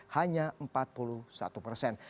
hanya empat puluh satu persen